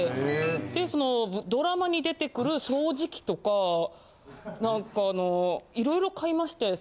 でそのドラマに出てくる掃除機とかなんかいろいろ買いましたよ。